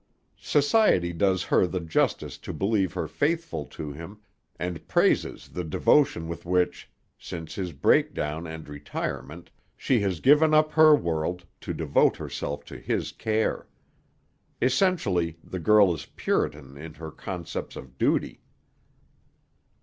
Society does her the justice to believe her faithful to him, and praises the devotion with which, since his breakdown and retirement, she has given up her world to devote herself to his care. Essentially the girl is Puritan in her concepts of duty."